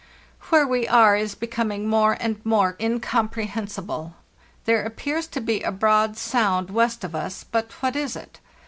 "Where we are is becoming more and more incom prehensible. There appears to be a broad sound west of us, but what is it?)